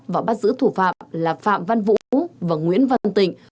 và bắt giữ thủ phạm là phạm văn vũ và nguyễn văn tịnh